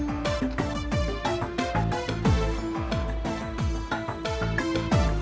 saya yang mau balas dendam